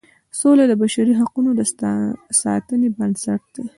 سوله د بشري حقوقو د ساتنې بنسټ دی.